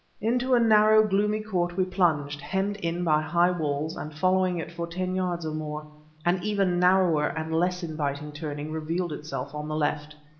Into a narrow, gloomy court we plunged, hemmed in by high walls, and followed it for ten yards or more. An even narrower and less inviting turning revealed itself on the left.